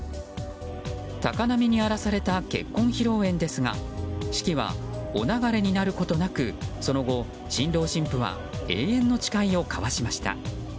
高波に荒らされた結婚披露宴ですが式はお流れるになることなくその後、新郎新婦は永遠の誓いを交わしました。